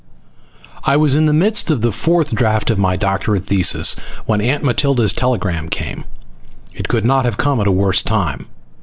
_ I was in the midst of the fourth draft of my doctorate thesis when Aunt Matilda's telegram came. It could not have come at a worse time.